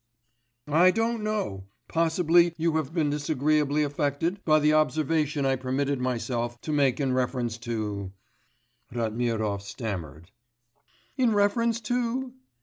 'I don't know; possibly you have been disagreeably affected by the observation I permitted myself to make in reference to ' Ratmirov stammered. 'In reference to?